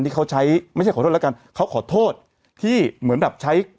ที่เขาใช้ไม่ใช่ขอโทษแล้วกันเขาขอโทษที่เหมือนแบบใช้